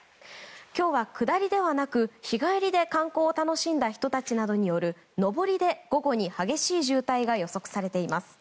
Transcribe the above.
今日は下りではなく、日帰りで観光を楽しんだ人たちなどによる上りで午後に激しい渋滞が予測されています。